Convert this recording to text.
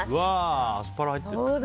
アスパラ入ってる。